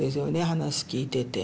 話聞いてて。